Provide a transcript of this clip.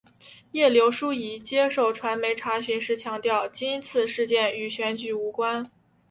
叶刘淑仪接受传媒查询时强调今次事件与选举无关。